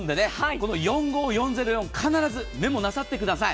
この４５４０４必ずメモなさってください。